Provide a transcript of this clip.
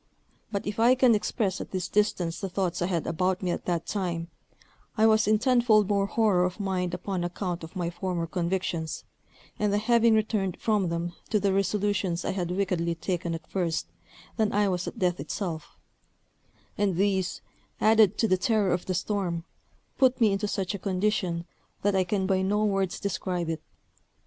But if I can express at this distance the thoughts I had about me at that time, I was in tenfold more horror of mind upon account of my former convictions, and the having returned from them to the resolutions I had wickedly taken at first, than I was at death itself; and these, added to the terror of the storm, put me into such a condition, that I can by no words describe it.